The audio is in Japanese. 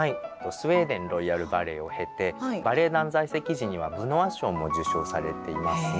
スウェーデン・ロイヤル・バレエを経てバレエ団在籍時にはブノワ賞も受賞されていますね。